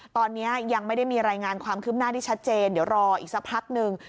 ตอนนี้ยังไม่ได้มีรายงานความคืบหน้าที่ชัดเจนเดี๋ยวรออีกสักพักหนึ่ง